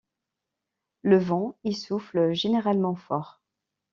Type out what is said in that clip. Le vent y souffle généralement fort.